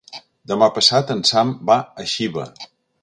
Demà passat en Sam va a Xiva.